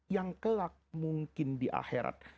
yang kelak mungkin di akhirat